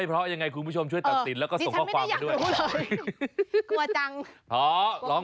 พร้อมมาเล่นตอนนั้น